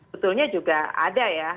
betulnya juga ada ya